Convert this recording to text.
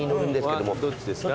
どっちですか？